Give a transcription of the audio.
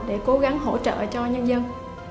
để cố gắng hỗ trợ cho nhân dân